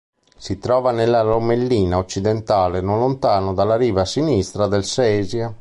Si trova nella Lomellina occidentale, non lontano dalla riva sinistra del Sesia.